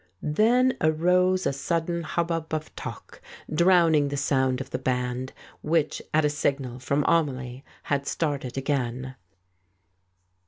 Then arose a sudden hubbub of talk, drowning the sound of the band, which, at a signal from Amelie, had started again.